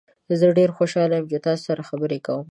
زه ډیر خوشحال یم چې تاسو سره خبرې کوم.